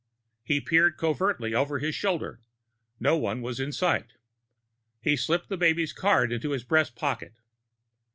He peered covertly over his shoulder; no one was in sight. He slipped the baby's card into his breast pocket.